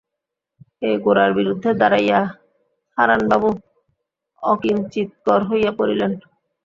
এই গোরার বিরুদ্ধে দাঁড়াইয়া হারানবাবু অকিঞ্চিৎকর হইয়া পড়িলেন।